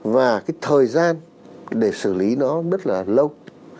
và cái thời gian để xử lý nó rất là lâu